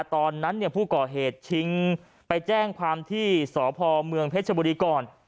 ตอนนั้นผู้ก่อเหตุชิงไปแจ้งความที่สพเมืองเพชรบุรีก่อน